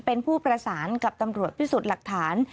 เป็นผู้ประสานกับตำรวจพิสูจน์หลักฐาน